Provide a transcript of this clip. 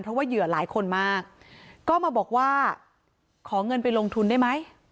เพราะว่าเหยื่อหลายคนมากก็มาบอกว่าขอเงินไปลงทุนได้ไหม